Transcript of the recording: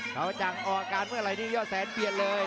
เขาจังออกอาการเมื่อไหร่นี่ยอดแสนเปลี่ยนเลย